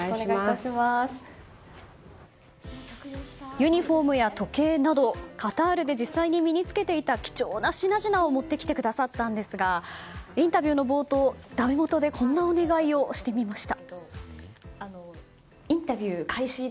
ユニホームや時計などカタールで実際に身に着けていた貴重な品々を持ってきてくださったんですがインタビューの冒頭、だめもとでこんなお願いをしてみました。